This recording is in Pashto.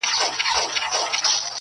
ځوانيمرگي اوړه څنگه اخښل كېږي؛